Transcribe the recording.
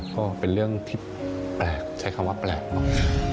ก็เป็นเรื่องที่แปลกใช้คำว่าแปลกหน่อย